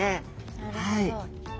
なるほど。